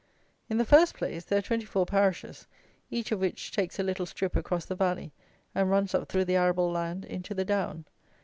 In the first place, there are twenty four parishes, each of which takes a little strip across the valley, and runs up through the arable land into the down.